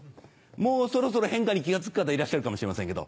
もうそろそろ変化に気が付く方いらっしゃるかもしれませんけど。